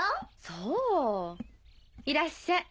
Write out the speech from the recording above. そういらっしゃい。